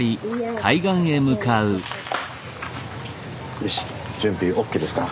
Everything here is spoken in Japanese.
よし準備ＯＫですか？